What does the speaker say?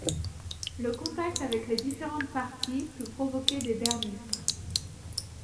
Le contact avec les différentes parties peut provoquer des dermites.